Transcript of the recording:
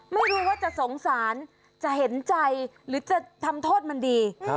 ไม่รู้ว่าจะสงสารจะเห็นใจหรือจะทำโทษมันดี